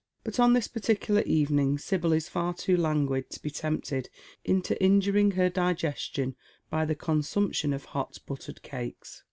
But on this particular evening Sibyl is far too languid to b© tempted into injuring her digestion by the consumption of hot buttered cakes.